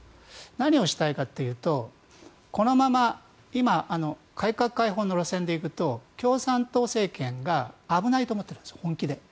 何をしたいかというとこのまま今、改革開放の路線で行くと共産党政権が危ないと本気で思ってるんですよ。